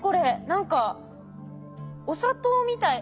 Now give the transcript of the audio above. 何かお砂糖みたい。